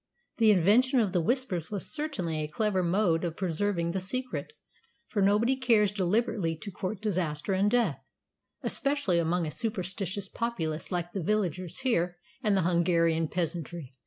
the invention of the Whispers was certainly a clever mode of preserving the secret, for nobody cares deliberately to court disaster and death, especially among a superstitious populace like the villagers here and the Hungarian peasantry."